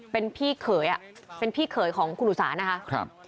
เป็นพี่เขยเป็นพี่เขยของคุณอุสานะคะ